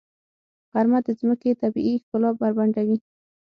غرمه د ځمکې طبیعي ښکلا بربنډوي.